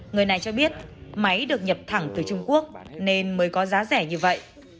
người này cho biết máy được nhập thẳng từ trung quốc nên mới có giá rẻ như vậy